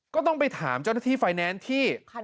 ก็ต้องไปถามเจ้าหน้าที่ไฟแนนซ์ที่